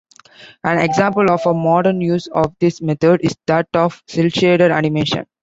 An example of a modern use of this method is that of cel-shaded animation.